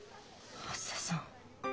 あづささん。